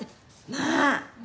まあ！